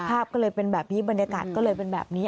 ภาพก็เลยเป็นแบบนี้บรรยากาศก็เลยเป็นแบบนี้